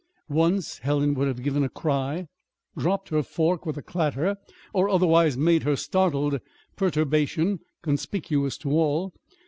Once Helen would have given a cry, dropped her fork with a clatter, or otherwise made her startled perturbation conspicuous to all.